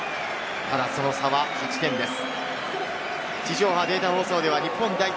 ただその差は８点です。